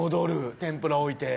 天ぷら置いて。